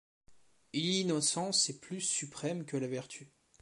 L’innocence est plus suprême que la vertu.